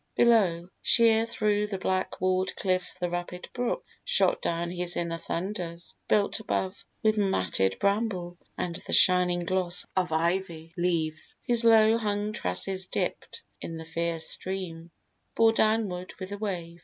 Below, Sheer thro' the black wall'd cliff the rapid brook Shot down his inner thunders, built above With matted bramble and the shining gloss Of ivy leaves, whose low hung tresses, dipp'd In the fierce stream, bore downward with the wave.